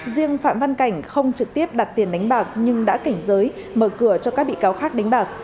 riêng phạm văn cảnh không trực tiếp đặt tiền đánh bạc nhưng đã cảnh giới mở cửa cho các bị cáo khác đánh bạc